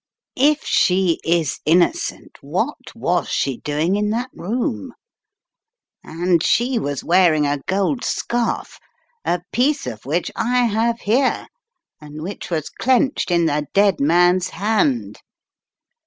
If she is innocent, what was she doing in that room? And she was wearing a gold scarf, a piece of which I have here and which was clenched in the dead man's hand!"